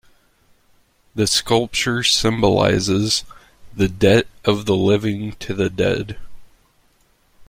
The sculpture symbolises "the debt of the living to the dead".